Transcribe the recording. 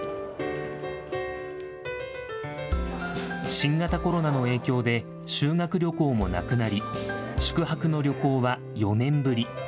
新型コロナの影響で、修学旅行もなくなり、宿泊の旅行は４年ぶり。